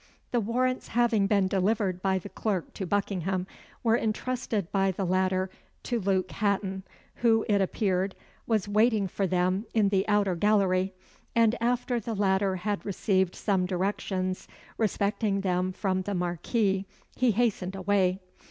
The warrants having been delivered by the clerk to Buckingham, were entrusted by the latter to Luke Hatton, who, it appeared, was waiting for them in the outer gallery; and, after the latter had received some directions respecting them from the Marquis, he hastened away.